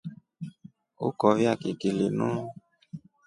Ukovya kiki linu.